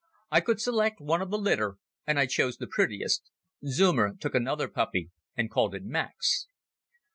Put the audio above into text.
I could select one of the litter and I chose the prettiest. Zeumer took another puppy and called it Max.